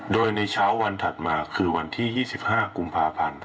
โดยในเช้าวันถัดมาคือวันที่๒๕กุมภาพันธ์